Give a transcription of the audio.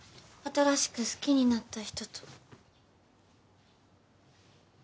新しく好きになった人と。